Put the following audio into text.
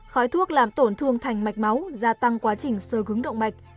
khói thuốc làm tổn thương thành mạch máu gia tăng quá trình sơ cứng động mạch